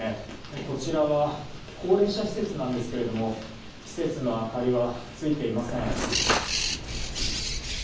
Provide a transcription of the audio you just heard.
こちらは高齢者施設なんですけれども施設の明かりはついていません。